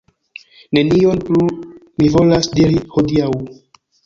Nenion plu mi volas diri hodiaŭ.